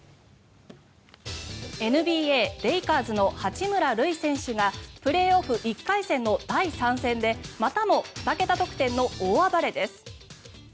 ＮＢＡレイカーズの八村塁選手がプレーオフ１回戦の第３戦でまたも２桁得点の大暴れです。